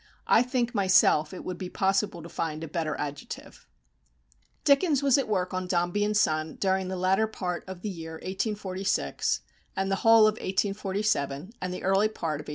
I think myself it would be possible to find a better adjective. Dickens was at work on "Dombey and Son" during the latter part of the year 1846, and the whole of 1847, and the early part of 1848.